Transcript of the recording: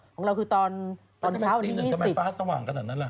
ของเราคือตอนเช้าตีหนึ่งทำไมฟ้าสว่างขนาดนั้นล่ะ